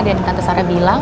dan tante sarah bilang